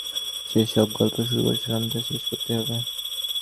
যে-সব গল্প শুরু করেছিলাম, তা শেষ করতেই হবে।